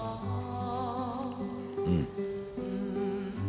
うん。